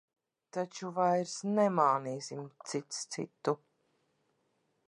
Taču vairs nemānīsim cits citu.